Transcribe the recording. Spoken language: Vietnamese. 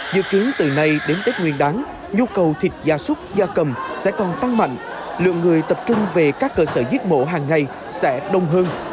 dự kiến từ nay đến tết nguyên đáng nhu cầu thịt da sốt do cầm sẽ còn tăng mạnh lượng người tập trung về các cơ sở riết mổ hàng ngày sẽ đông hơn